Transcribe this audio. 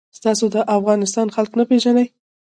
تاسو د افغانستان خلک نه پیژنئ.